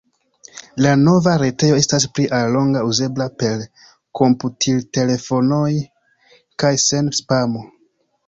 La nova retejo estas pli alloga, uzebla per komputiltelefonoj kaj sen spamo!